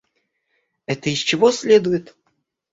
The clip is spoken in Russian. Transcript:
Это из чего следует?